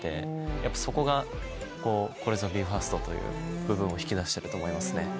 やっぱそこがこれぞＢＥ：ＦＩＲＳＴという部分を引き出してると思いますね。